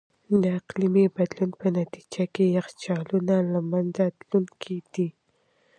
د اقلیمي بدلون په نتیجه کې یخچالونه له منځه تلونکي دي.